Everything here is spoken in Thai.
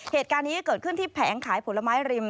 เหตุการณ์นี้เกิดขึ้นที่แผงขายผลไม้ริม